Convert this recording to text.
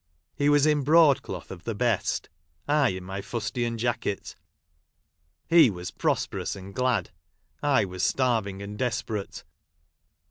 He was in broadcloth of the best — I in my fustian jacket. He was prosperous and glad — I was starving and desperate.